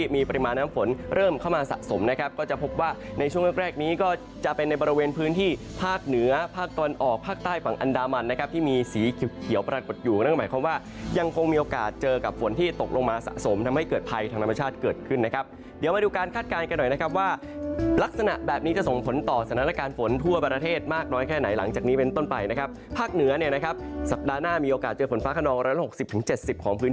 มีโอกาสเจอกับฝนที่ตกลงมาสะสมทำให้เกิดภัยทางธรรมชาติเกิดขึ้นนะครับเดี๋ยวมาดูการคาดการณ์กันหน่อยนะครับว่าลักษณะแบบนี้จะส่งผลต่อสถานการณ์ฝนทั่วประเทศมากน้อยแค่ไหนหลังจากนี้เป็นต้นไปนะครับภาคเหนือเนี่ยนะครับสัปดาห์หน้ามีโอกาสเจอฝนฟ้าขนองร้อยละ๖๐๗๐ของพื้น